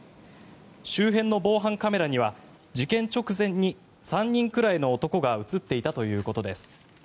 周辺の防犯カメラには事件直前に３人くらいの男が映っていたということです。